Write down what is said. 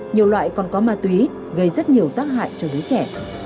nhiều loại còn có ma túy gây rất nhiều tác hại cho đứa trẻ